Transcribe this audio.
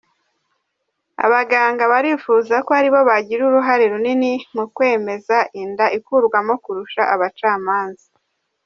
Abaganga barifuza ko ari bo bagira uruhare runini mu kwemeza inda ikurwamo kurusha abacamanza.